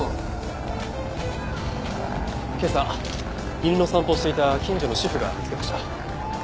今朝犬の散歩をしていた近所の主婦が見つけました。